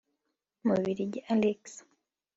Mubiligi Alexis